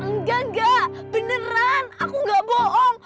nggak nggak beneran aku nggak bohong